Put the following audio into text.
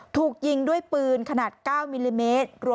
ถูกยิงด้วยปืนขนาด๙มิลลิเมตร